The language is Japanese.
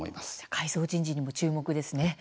改造人事にも注目ですね。